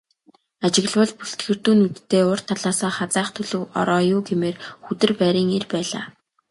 Ажиглавал бүлтгэрдүү нүдтэй урд талаасаа халзайх төлөв ороо юу гэмээр, хүдэр байрын эр байлаа.